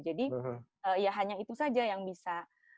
jadi ya hanya itu saja yang bisa